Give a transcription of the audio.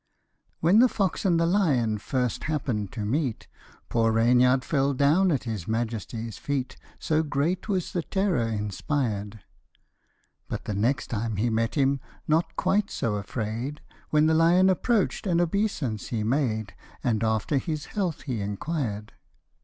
WHEN the fox and the lion first happen'd to meet, Poor Reynard fell down at his majesty's feet, So great was the terror inspired ; But the next time he met him, not quite so afraid, When the lion approach'd an obeisance he made, And after his health he inquired.